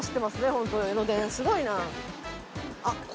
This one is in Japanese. ホント江ノ電すごいな。